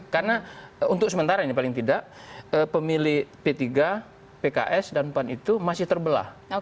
karena untuk sementara ini paling tidak pemilih p tiga pks dan pan itu masih terbelah